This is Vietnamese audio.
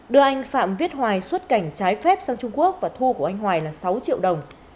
đưa anh phạm viết hoài xuất cảnh trái phép sang trung quốc và thu của anh hoài là sáu triệu đồng